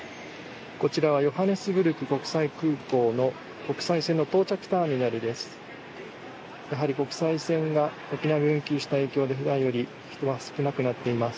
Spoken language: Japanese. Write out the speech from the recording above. こちらはヨハネスブルク国際空港の国際線の到着ターミナルです。